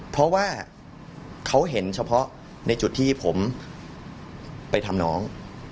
เพราะว่าเขาเห็นเฉพาะในจุดที่ผมไปทำน้อง